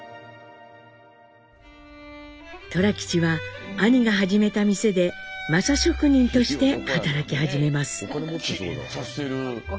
寅吉は兄が始めた店で柾職人として働き始めます。